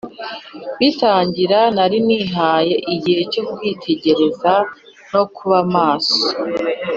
bigitangira nari nihaye igihe cyo kwitegereza no kuba maso.